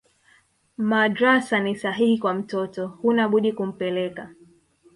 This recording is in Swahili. madrasa ni sahihi kwa mtoto hunabudi kumpeleka